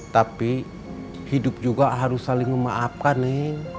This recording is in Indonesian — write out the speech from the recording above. tapi hidup juga harus saling memaafkan nih